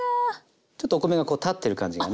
ちょっとお米がこう立ってる感じがね